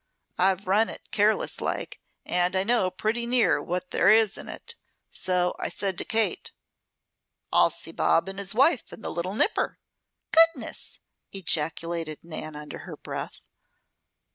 I've run it careless like, and I know pretty near what there is in it. So I said to Kate: "'I'll see Bob and his wife, and the little nipper " "Goodness!" ejaculated Nan, under her breath.